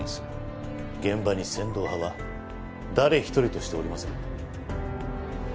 現場に千堂派は誰一人としておりません。